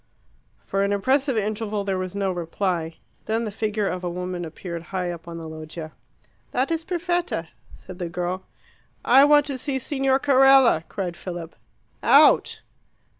For an impressive interval there was no reply. Then the figure of a woman appeared high up on the loggia. "That is Perfetta," said the girl. "I want to see Signor Carella," cried Philip. "Out!"